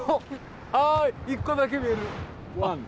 あ１個だけ見える！